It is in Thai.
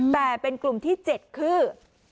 แต่เป็นกลุ่มที่๗คือ